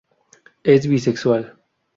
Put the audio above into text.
Es bisexual.